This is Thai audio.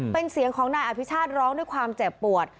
เป็นเสียงของนายอภิชาติร้องด้วยความเจ็บปวด